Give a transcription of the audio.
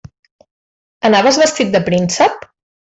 Anaves vestit de príncep?